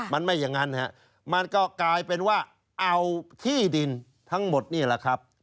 มันไม่อย่างนั้นมันก็กลายเป็นว่าเอาที่ดินทั้งหมดนี่แหละครับ